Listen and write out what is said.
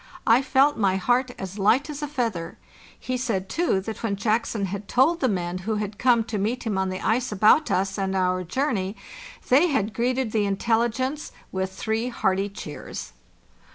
I felt my heart as light as a feather. He said, too, that when Jackson had told the men who had come to meet him on the ice about us and our journey, they had greeted the intelli gence with three hearty cheers.